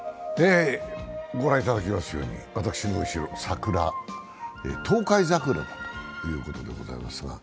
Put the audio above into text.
ご覧いただきますように私の後ろの桜、トウカイザクラということでございますが。